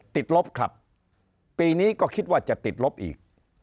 ติดลบครับปีนี้ก็คิดว่าจะติดลบอีก